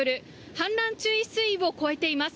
氾濫注意水位を超えています。